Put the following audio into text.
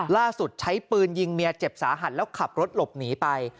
ใช้ปืนยิงเมียเจ็บสาหัสแล้วขับรถหลบหนีไป